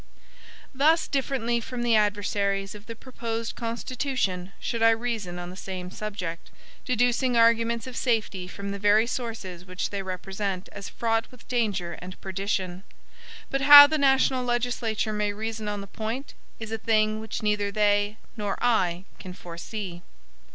Thus differently from the adversaries of the proposed Constitution should I reason on the same subject, deducing arguments of safety from the very sources which they represent as fraught with danger and perdition. But how the national legislature may reason on the point, is a thing which neither they nor I can foresee.